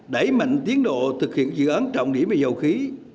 đẩy mạnh tiến độ thực hiện dự án trọng điểm về dầu khí